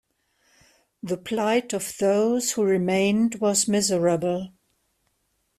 The plight of those who remained was miserable.